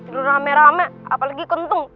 dulu rame rame apalagi kentung